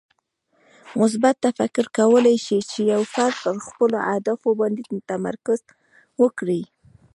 مثبت تفکر کولی شي چې یو فرد پر خپلو اهدافو باندې تمرکز وکړي.